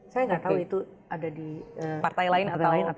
saya nggak tahu itu ada di partai lain atau lain